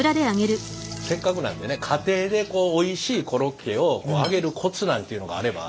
せっかくなんでね家庭でおいしいコロッケを揚げるコツなんていうのがあれば。